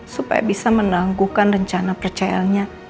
supaya bisa menangguhkan rencana percayanya